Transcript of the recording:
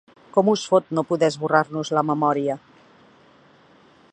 Com us fot no poder esborrar-nos la memòria!